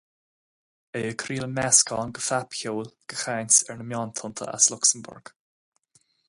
É ag craoladh meascán de phopcheol de chaint ar na meántonnta as Lucsamburg.